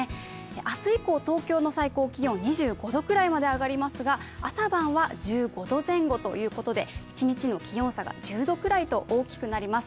明日以降、東京の最高気温、２５度くらいまで上がりますが朝晩は１５度前後ということで一日の気温差が１０度くらいと大きくなります。